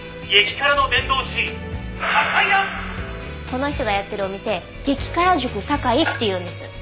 この人がやってるお店「激辛塾さかい」っていうんです。